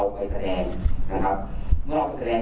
นอกแสดงหรือที่ไหนเนี้ยเจ้าคงที่ใจกระแกน